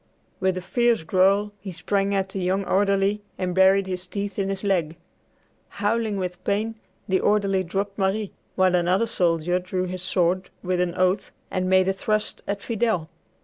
With a fierce growl he sprang at the young orderly and buried his teeth in his leg. Howling with pain, the orderly dropped Marie, while another soldier drew his sword with an oath and made a thrust at Fidel.